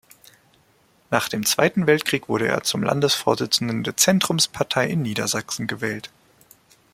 Nach dem Zweiten Weltkrieg wurde er zum Landesvorsitzenden der Zentrumspartei in Niedersachsen gewählt.